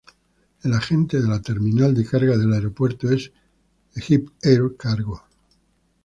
El agente de la terminal de carga del aeropuerto es EgyptAir Cargo.